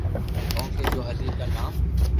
ڪونڪھ جو ھري ڪا نام